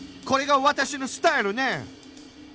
これが私のスタイルね！